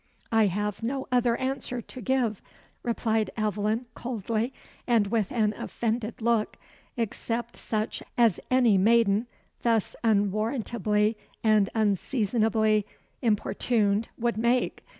"I have no other answer to give," replied Aveline, coldly, and with an offended look, "except such as any maiden, thus unwarrantably and unseasonably importuned, would make.